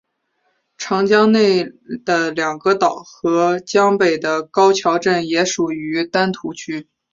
长江内的两个岛和江北的高桥镇也属于丹徒区。